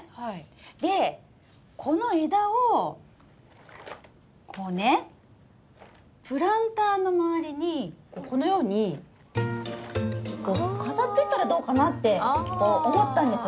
でこの枝をこうねプランターの周りにこのように飾ってったらどうかなって思ったんですよ。